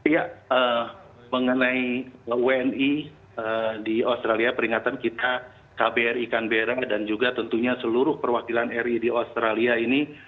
ya mengenai wni di australia peringatan kita kbri kanbera dan juga tentunya seluruh perwakilan ri di australia ini